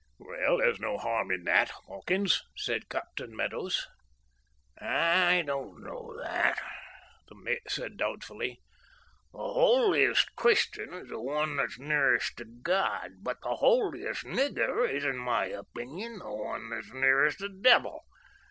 "Well, there's no harm in that, Hawkins," said Captain Meadows. "I don't know that," the mate said doubtfully. "The holiest Christian is the one that's nearest God, but the holiest nigger is, in my opinion, the one that's nearest the devil.